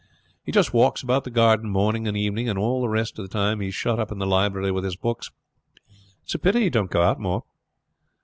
He just walks about the garden morning and evening, and all the rest of the time he is shut up in the library with his books. It's a pity he don't go out more."